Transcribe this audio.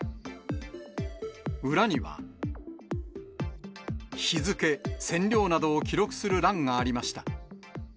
裏には、日付、線量などを記録する欄がありました。